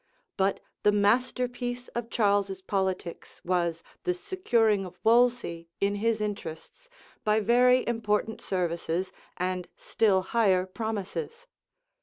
But the masterpiece of Charles's politics was the securing of Wolsey in his interests, by very important services, and still higher promises.